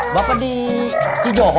bapak di cidaho